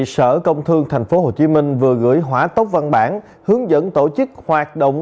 sở công thương tp hcm vừa gửi hỏa tốc văn bản hướng dẫn tổ chức hoạt động